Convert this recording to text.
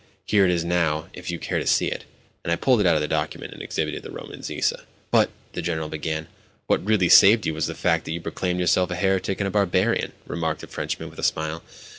Here it is now, if you care to see it,"—and I pulled out the document, and exhibited the Roman visa. "But—" the General began. "What really saved you was the fact that you proclaimed yourself a heretic and a barbarian," remarked the Frenchman with a smile.